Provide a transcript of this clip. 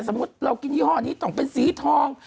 สมมุติเรากินยี่ห้อนี้ต้องเป็นสีทอง